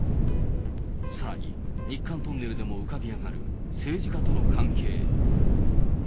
さらに、日韓トンネルでも浮かび上がる政治家との関係。